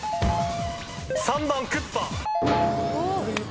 ３番クッパ！